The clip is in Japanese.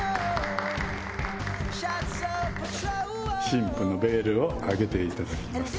新婦のベールを上げていただきます。